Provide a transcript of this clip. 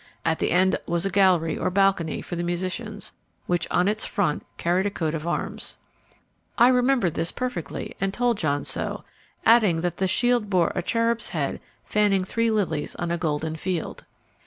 At the end was a gallery or balcony for the musicians, which on its front carried a coat of arms." I remembered this perfectly and told John so, adding that the shield bore a cherub's head fanning three lilies on a golden field.